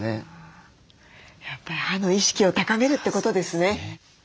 やっぱり歯の意識を高めるってことですね。